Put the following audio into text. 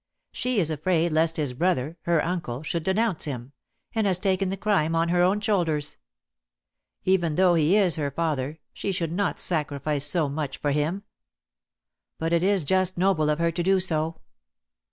"She is afraid lest his brother her uncle should denounce him, and has taken the crime on her own shoulders. Even though he is her father, she should not sacrifice so much for him. But it is just noble of her to do so.